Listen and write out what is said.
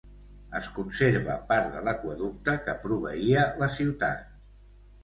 Es conserva part de l'aqüeducte que proveïa la ciutat.